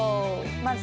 まず。